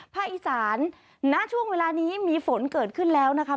อีสานณช่วงเวลานี้มีฝนเกิดขึ้นแล้วนะคะ